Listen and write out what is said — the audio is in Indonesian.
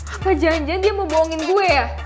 apa janji dia mau bohongin gue ya